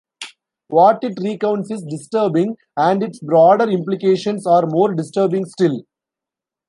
What it recounts is disturbing, and its broader implications are more disturbing still.